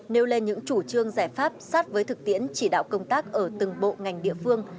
nêu lên những chủ trương giải pháp sát với thực tiễn chỉ đạo công tác ở từng bộ ngành địa phương